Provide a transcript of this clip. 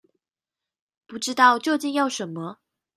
不知道究竟要什麼